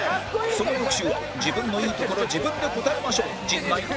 その翌週は自分のいいとこ自分で答えましょう陣内智則編